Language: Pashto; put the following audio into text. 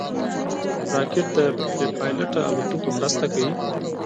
راکټ د بېپيلوټه الوتکو مرسته کوي